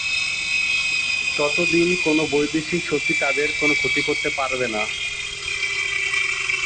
ততদিন কোন বৈদেশিক শক্তি তাঁদের কোন ক্ষতি করতে পারবে না।